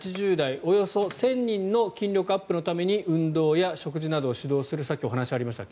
およそ１０００人の筋力アップのために運動や食事などを指導するさっきお話がありました